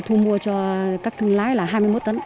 thu mua cho các thương lái là hai mươi một tấn